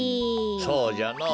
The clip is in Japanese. そうじゃのぉ。